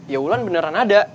ya wulan beneran ada